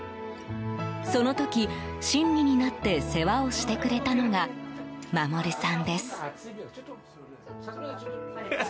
その時、親身になって世話をしてくれたのが衛さんです。